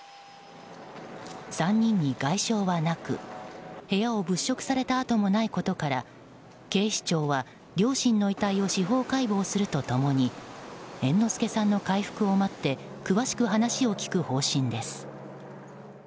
３人に外傷はなく、部屋を物色された跡もないことから警視庁は両親の遺体を司法解剖すると共に猿之助さんの回復を待って詳しく話を聞く方針です。